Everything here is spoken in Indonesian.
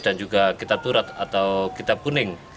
dan juga kitab turat atau kitab kuning